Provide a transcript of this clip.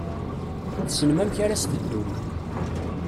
Tessnem amek ara s-teddum.